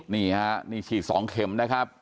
นี่ฮะนี่ฉีด๒เข็มนะครับ